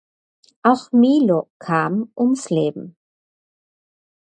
Auch Milo kam ums Leben.